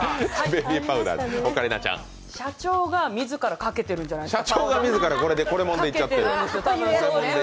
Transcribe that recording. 社長がみずからかけてるんじゃないですか？